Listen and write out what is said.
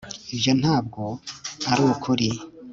ibyo ntabwo ari ukuri